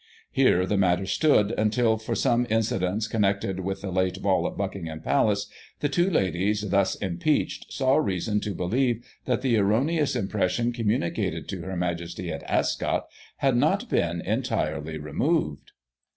Here the matter stood, until, from some incidents connected with the late ball at Bucking ham Palace, the two ladies, thus impeached, saw reason to believe that the erroneous impression communicated to Her Majesty at Ascot had not been entirely removed.